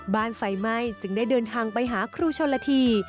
ไฟไหม้จึงได้เดินทางไปหาครูชนละที